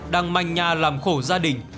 đang manh nhà làm khổ gia đình